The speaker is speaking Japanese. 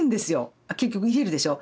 結局入れるでしょ。